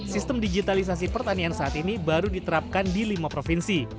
sistem digitalisasi pertanian saat ini baru diterapkan di lima provinsi